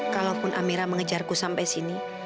kalaupun amira mengejarku sampai sini